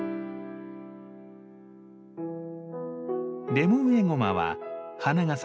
レモンエゴマは花が咲く